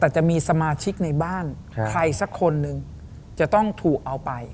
แต่จะมีสมาชิกในบ้านใครสักคนหนึ่งจะต้องถูกเอาไป